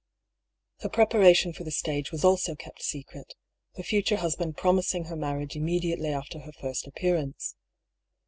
Her prepara tion for the stage was also kept secret, her future hus band promising her marriage immediately after her first appearance.